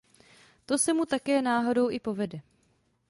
To se mu také náhodou i povede.